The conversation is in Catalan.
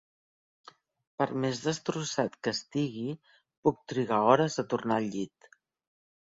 Per més destrossat que estigui puc trigar hores a tornar al llit.